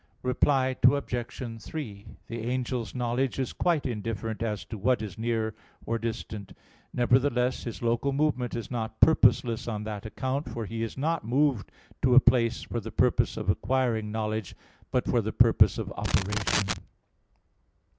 Reply Obj. 3: The angel's knowledge is quite indifferent as to what is near or distant. Nevertheless his local movement is not purposeless on that account: for he is not moved to a place for the purpose of acquiring knowledge, but for the purpose of operation.